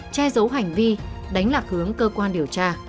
che giấu hành vi đánh lạc hướng cơ quan điều tra